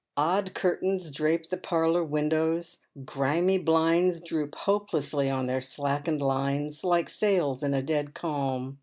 Odd curtains drape the parlour windows, grimy blinds droop hopelessly on their slackened lines, hke sails ''n a dead calm.